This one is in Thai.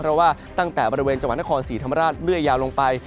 เพราะว่าตั้งแต่บริเวณจังหวันศ์ฮัศว์สีธรรมราชด้วยยาวลงไป